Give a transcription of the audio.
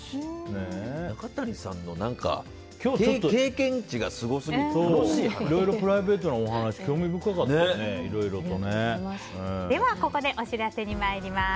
中谷さんの経験値がすごすぎてプライベートのお話ではここでお知らせに参ります。